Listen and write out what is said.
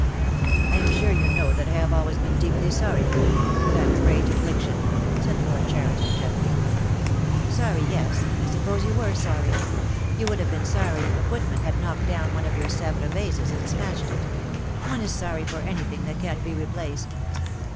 "I am sure you know that I have always been deeply sorry for you — for that great affliction," said Lord Cheri ton gently. "Sorry, yes, I suppose you were sorry. You would have been sorry if a footman had knocked down one of your Sevres vases and smashed it. One is sorry for any thing that can't be replaced."